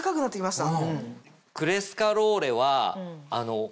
クレスカローレは。